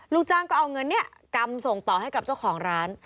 ลูกจ้างก็เอาเงินเนี่ยกำส่งต่อให้กับเจ้าของร้าน